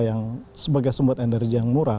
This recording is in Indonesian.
yang sebagai sumber energi yang murah